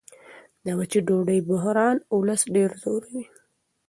د وچې ډوډۍ بحران ولس ډېر ځوروي.